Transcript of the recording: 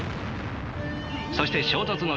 そして衝突の瞬間